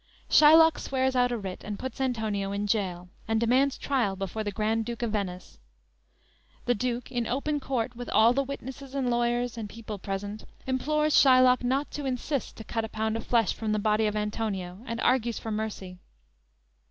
"_ Shylock swears out a writ and puts Antonio in jail, and demands trial before the Grand Duke of Venice. The Duke in open court, with all the witnesses and lawyers and people present, implores Shylock not to insist to cut a pound of flesh from the body of Antonio, and argues for mercy.